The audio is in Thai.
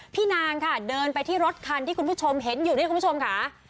พี่นางค่ะเดินไปที่รถคันที่คุณผู้ชมเห็นอยู่นี่คุณผู้ชมค่ะ